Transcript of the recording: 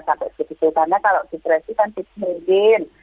karena kalau depresi kan diperhentikan